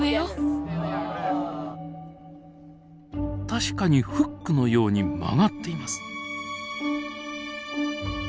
確かにフックのように曲がっています。